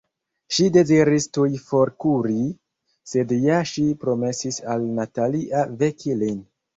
Ŝi deziris tuj forkuri, sed ja ŝi promesis al Natalia veki lin.